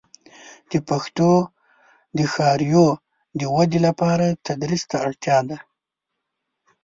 د پښتو د ښاریو د ودې لپاره د تدریس اړتیا ده.